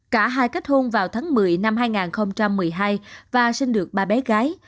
cả hai kết hôn vào tháng một mươi năm hai nghìn một mươi hai và sinh được ba bé gái